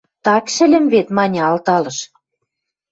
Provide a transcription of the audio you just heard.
Так шӹльӹм вет... – маньы, алталыш.